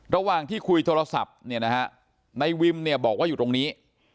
ระหว่างที่คุยโทรศัพท์ในวิมบอกว่าอยู่ตรงนี้